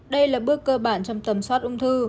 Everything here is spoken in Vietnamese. đây là bước cơ bản trong tầm soát ung thư